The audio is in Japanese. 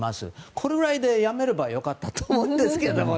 これくらいでやめれば良かったと思うんですけど。